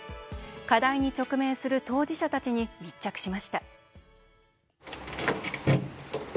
課題に直面する当事者たちに密着しました。